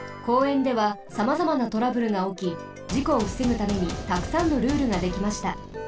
公園ではさまざまなトラブルがおきじこをふせぐためにたくさんのルールができました。